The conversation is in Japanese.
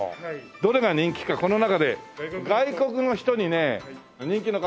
どれが人気かこの中で外国の人にね人気の傘はね。